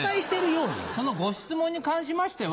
そのご質問に関しましては。